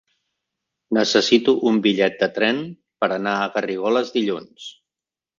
Necessito un bitllet de tren per anar a Garrigoles dilluns.